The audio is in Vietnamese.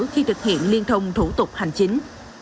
khi thực hiện liên thông thủ tục hành chính